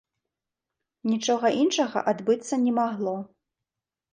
Нічога іншага адбыцца не магло.